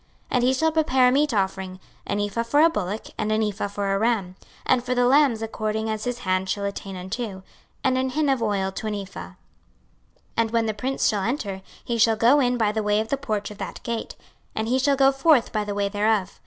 26:046:007 And he shall prepare a meat offering, an ephah for a bullock, and an ephah for a ram, and for the lambs according as his hand shall attain unto, and an hin of oil to an ephah. 26:046:008 And when the prince shall enter, he shall go in by the way of the porch of that gate, and he shall go forth by the way thereof.